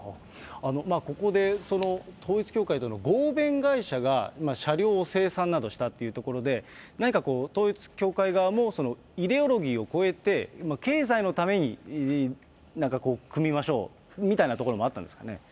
ここで統一教会との合弁会社が車両を生産などしたというところで、何かこう、統一教会側もイデオロギーを超えて経済のために何かこう、組みましょうみたいなところもあったんですかね。